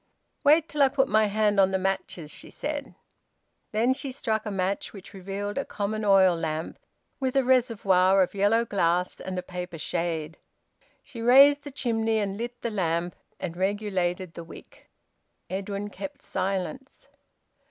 "Wait till I put my hand on the matches," she said. Then she struck a match, which revealed a common oil lamp, with a reservoir of yellow glass and a paper shade. She raised the chimney and lit the lamp, and regulated the wick. Edwin kept silence.